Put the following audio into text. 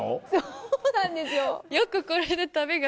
そうなんですよ！